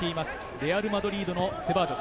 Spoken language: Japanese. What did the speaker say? レアル・マドリードのセバジョス。